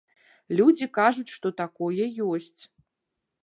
Людзі кажуць, што такое ёсць.